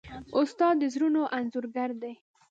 استاد د زړونو انځورګر دی.